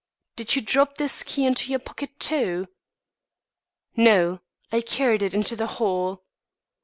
"Did you drop this key into your pocket, too?" "No, I carried it into the hall."